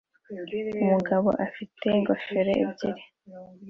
Umugabo afite ingofero ebyiri